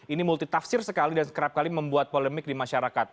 ini multitafsir sekali dan kerap kali membuat polemik di masyarakat